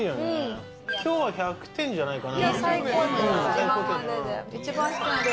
今日は１００点じゃないかな？